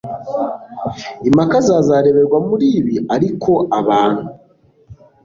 Impaka za zareberwa muri ibi ariko abantu